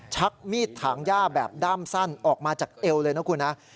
ชักมีดถางย่าแบบด้ามสั้นออกมาจากเอวเลยนะคุณนะ